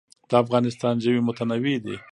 د افغانستان ژوي متنوع دي